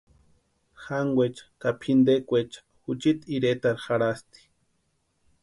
Jankwaecha ka pʼintekwaecha juchiti iretarhu jarhasti.